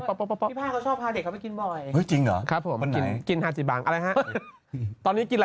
พี่พ่าเขาชอบพาเด็กเขาไปกินบ่อย